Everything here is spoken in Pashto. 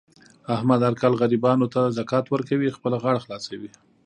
احمد هر کال غریبانو ته زکات ورکوي. خپله غاړه خلاصوي.